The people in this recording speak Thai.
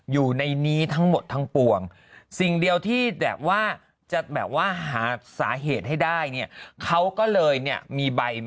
อยู่ในนี้ทั้งหมดทั้งปวงสิ่งเดียวที่แบบว่าจะแบบว่าหาสาเหตุให้ได้เนี่ยเขาก็เลยเนี่ยมีใบ